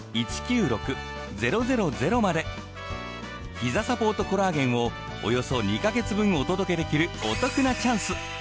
ひざサポートコラーゲンをおよそ２ヵ月分お届けできるお得なチャンス。